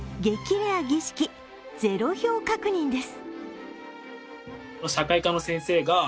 レア儀式、零票確認です。